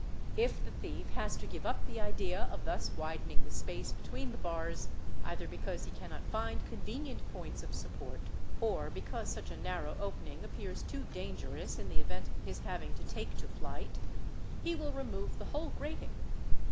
If the thief has to give up the idea of thus widening the space — between the bars, either because he cannot find convenient points of support, or because such a narrow opening appears too dangerous in the event of his having to take to flight, he will remove the whole grating.